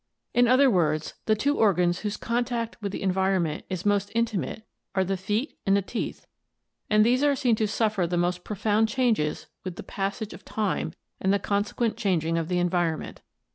In other words, the two organs whose contact with the environment is most intimate are the feet and teeth, and these are seen to suffer the most profound changes with the passage of time and the consequent changing of the environment.